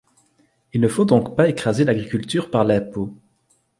Il ne faut donc pas écraser l'agriculture par l'impôt.